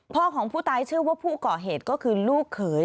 ของผู้ตายเชื่อว่าผู้ก่อเหตุก็คือลูกเขย